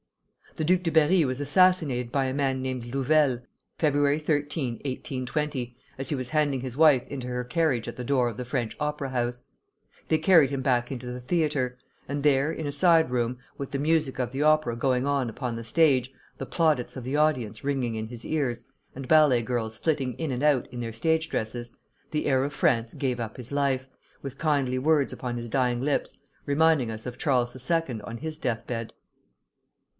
The Duc de Berri was assassinated by a man named Louvel, Feb. 13, 1820, as he was handing his wife into her carriage at the door of the French Opera House. They carried him back into the theatre, and there, in a side room, with the music of the opera going on upon the stage, the plaudits of the audience ringing in his ears, and ballet girls flitting in and out in their stage dresses, the heir of France gave up his life, with kindly words upon his dying lips, reminding us of Charles II. on his deathbed.